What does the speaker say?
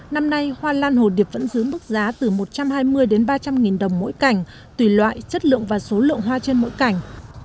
năm nay hoa lan hồ điệp vẫn giữ mức giá từ một trăm hai mươi đến ba trăm linh nghìn đồng mỗi cảnh tùy loại chất lượng và số lượng hoa trên mỗi cảnh